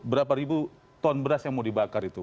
berapa ribu ton beras yang mau dibakar itu